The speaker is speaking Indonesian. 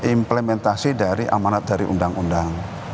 implementasi dari amanat dari undang undang